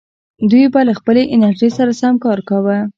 دوی به له خپلې انرژۍ سره سم کار کاوه.